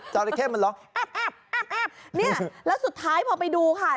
จรเข้มันร้องอับนี่และสุดท้ายพอไปดูค่ะ